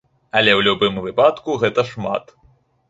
Але ў любым выпадку гэта шмат.